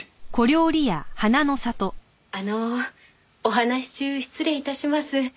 あのお話し中失礼致します。